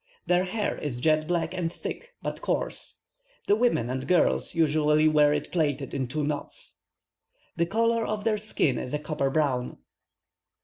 Their hair is jet black and thick, but coarse; the women and girls generally wear it plaited in two knots. The colour of their skin is a copper brown.